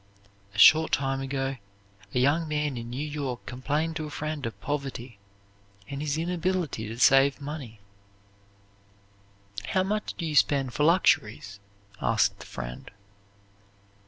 A short time ago, a young man in New York complained to a friend of poverty and his inability to save money. "How much do you spend for luxuries?" asked the friend.